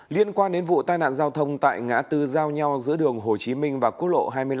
liên quan đến vụ tai nạn giao thông tại ngã tư giao nhau giữa đường hồ chí minh và quốc lộ hai mươi năm